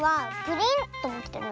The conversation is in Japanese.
プリン！